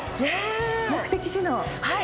目的地の。